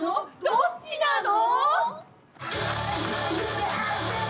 どっちなの？